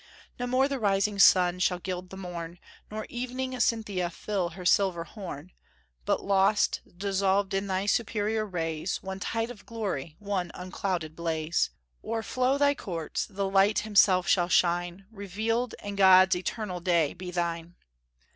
No more the rising sun shall gild the morn, Nor evening Cynthia fill her silver horn; But lost, dissolved in thy superior rays, One tide of glory, one unclouded blaze O'erflow thy courts; the Light himself shall shine Revealed, and God's eternal day be thine!